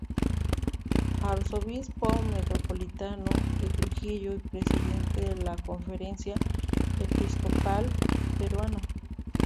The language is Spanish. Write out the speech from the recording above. Arzobispo metropolitano de Trujillo y presidente de la Conferencia Episcopal Peruana.